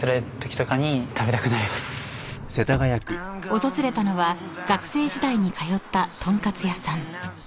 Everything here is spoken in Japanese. ［訪れたのは学生時代に通ったとんかつ屋さん］